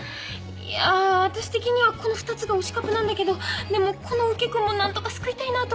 いや私的にはこの２つが推しカプなんだけどでもこの受けくんも何とか救いたいなぁと思ってて。